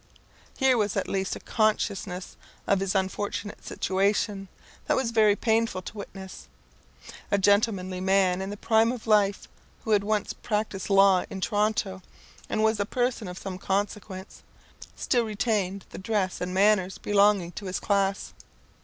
Here was at least a consciousness of his unfortunate situation, that was very painful to witness. A gentlemanly man in the prime of life, who had once practised the law in Toronto, and was a person of some consequence, still retained the dress and manners belonging to his class.